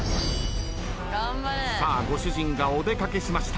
さあご主人がお出掛けしました。